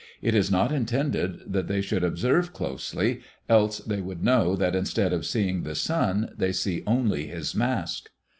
It is not intended that they should observe closely, else they would know that instead of seeing the sun they see only his mask.